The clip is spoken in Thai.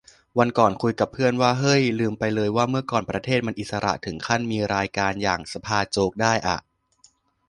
วันก่อนคุยกับเพื่อนว่า เฮ้ย ลืมไปเลยว่าเมื่อก่อนประเทศมันอิสระถึงขั้นมีรายการอย่าง สภาโจ๊ก ได้อ่ะ